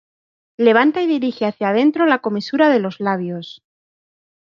Levanta y dirige hacia dentro la comisura de los labios.